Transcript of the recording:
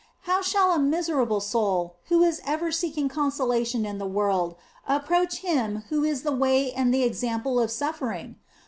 How shall a miserable soul who is ever seeking consolation in the world approach Him who is the way and the example of suffering